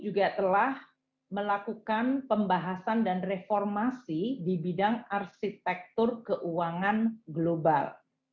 g dua puluh juga telah melakukan pembahasan dan reformasi di bidang arsitektur keuangan global